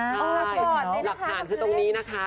ใช่หลักฐานคือตรงนี้นะคะ